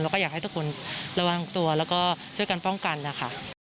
แล้วก็อยากให้ทุกคนระวังตัวแล้วก็ช่วยกันป้องกันนะคะ